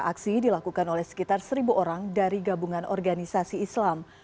aksi dilakukan oleh sekitar seribu orang dari gabungan organisasi islam